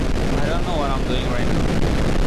The aircraft was hauled back up and propellers replaced.